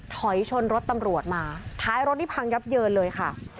ถอยชนรถตำรวจมาท้ายรถนี่พังยับเยินเลยค่ะ